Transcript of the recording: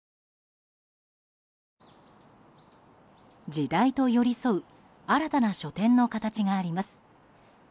時代と寄り添う新たな書店の形があります。